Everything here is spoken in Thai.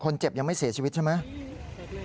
อ๋อคนเจ็บยังไม่เสียชีวิตใช่ไหม